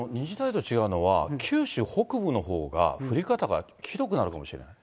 違うのは、九州北部のほうが降り方がひどくなるかもしれない。